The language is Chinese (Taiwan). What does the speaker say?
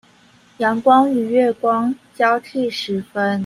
陽光與月光交替時分